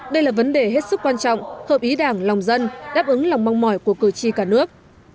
đây là vấn đề hết sức quan trọng hợp ý đảng lòng dân đáp ứng lòng mong mỏi của cử tri cả nước